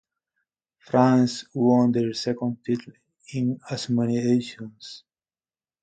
France won their second title in as many editions.